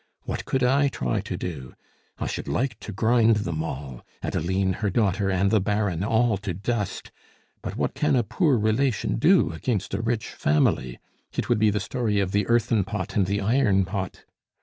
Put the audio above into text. What could I try to do? I should like to grind them all Adeline, her daughter, and the Baron all to dust! But what can a poor relation do against a rich family? It would be the story of the earthen pot and the iron pot."